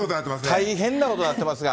大変なことになってますが。